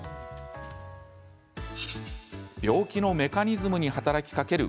病気のメカニズムに働きかける